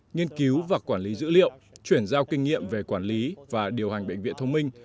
nghiên cứu và quản lý dữ liệu chuyển giao kinh nghiệm về quản lý và điều hành bệnh viện thông minh